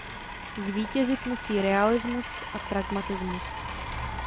Zvítězit musí realismus a pragmatismus.